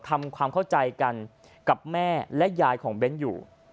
ทำความเข้าใจกันกับแม่และยายของเบ้นอยู่